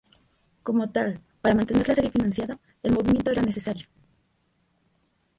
Como tal, para mantener la serie financiada, el movimiento era necesario.